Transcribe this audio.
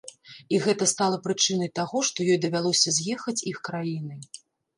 І гэта стала прычынай таго, што ёй давялося з'ехаць іх краіны.